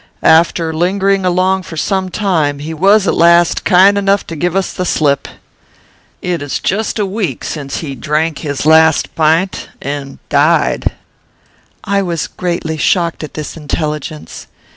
After lingering along for some time, he was at last kind enough to give us the slip. It is just a week since he drank his last pint and died." I was greatly shocked at this intelligence.